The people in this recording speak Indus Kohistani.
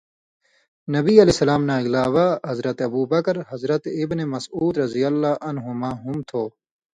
نبی علیہ السلام نہ عِلاوہ حضرت ابوبکر، حضرت ابن مسعود رض عنھما ہُم تھو۔